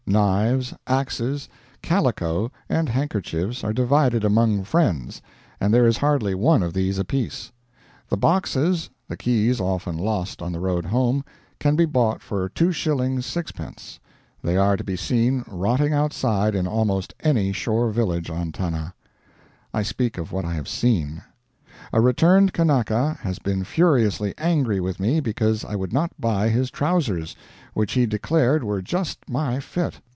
Knives, axes, calico, and handkerchiefs are divided among friends, and there is hardly one of these apiece. The boxes, the keys often lost on the road home, can be bought for 2s. 6d. They are to be seen rotting outside in almost any shore village on Tanna. (I speak of what I have seen.) A returned Kanaka has been furiously angry with me because I would not buy his trousers, which he declared were just my fit.